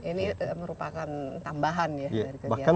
ini merupakan tambahan ya dari kegiatan